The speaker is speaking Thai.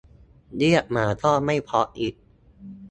เรียกหมาก็ไม่เพราะอีก